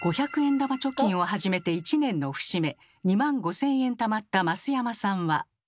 玉貯金を始めて１年の節目２万５，０００円たまったマスヤマさんは。